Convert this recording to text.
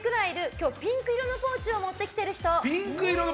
今日ピンク色のポーチを持ってきている人。